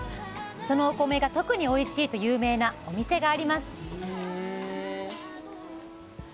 そのお米が特においしいと有名なお店があります